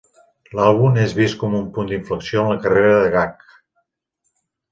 L'àlbum és vist com un punt d'inflexió en la carrera de Gackt.